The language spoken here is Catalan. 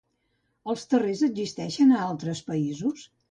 Els terrers existeixen a altres països?